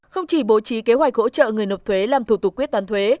không chỉ bố trí kế hoạch hỗ trợ người nộp thuế làm thủ tục quyết toán thuế